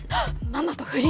ママと不倫！？